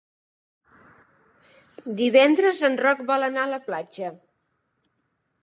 Divendres en Roc vol anar a la platja.